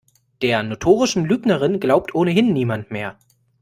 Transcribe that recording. Der notorischen Lügnerin glaubt ohnehin niemand mehr.